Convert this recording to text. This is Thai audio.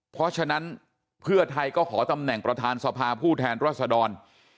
เพราะฉะนั้นเพื่อไทยก็ขอตำแหน่งประธานสภาผู้แทนรัศดร